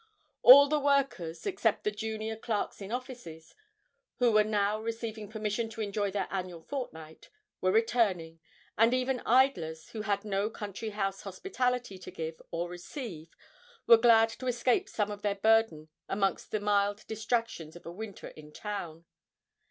All the workers (except the junior clerks in offices, who were now receiving permission to enjoy their annual fortnight) were returning, and even idlers, who had no country house hospitality to give or receive, were glad to escape some of their burden amongst the mild distractions of a winter in town.